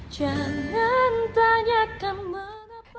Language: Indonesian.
jangan tanyakan mengapa